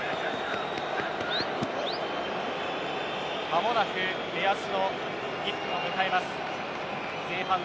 間もなく目安の１分を迎えます。